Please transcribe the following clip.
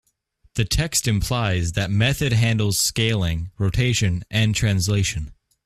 The text implies that method handles scaling, rotation, and translation.